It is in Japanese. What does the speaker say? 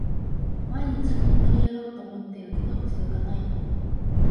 毎日筋トレやろうと思ってるけど続かない